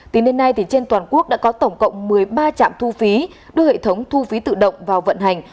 tính đến nay trên toàn quốc đã có tổng cộng một mươi ba trạm thu phí đưa hệ thống thu phí tự động vào vận hành